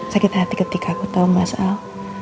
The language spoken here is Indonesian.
sakit hati ketika aku tahu mas al